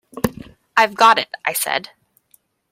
"I've got it," I said.